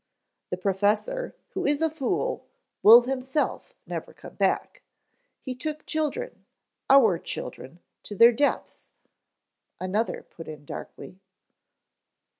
"The Professor, who is a fool, will himself never come back. He took children, our children, to their deaths," another put in darkly.